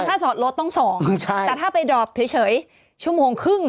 ถ้าจอดรถต้อง๒แต่ถ้าไปดอบเฉยชั่วโมงครึ่ง